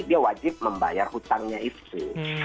dia wajib membayar hutangnya itu